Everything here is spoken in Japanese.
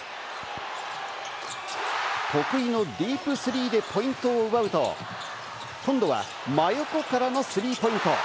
得意のディープスリーでポイントを奪うと、今度は真横からのスリーポイント。